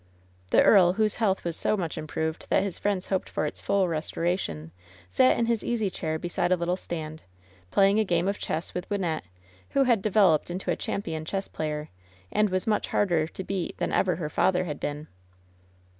The earl, whose health was so much improved that his friends hoped for its full restoration, sat in his easy chair beside a little stand, playing a game of chess with Wyn nette, who had developed into a champion chess player, and was much harder to beat than ever her father had been.